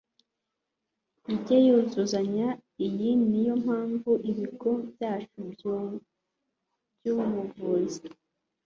ijye yuzuzanya Iyi ni yo mpamvu ibigo byacu byubuvuzi